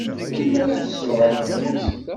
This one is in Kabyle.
Melmi ara teqqel ɣer tmurt?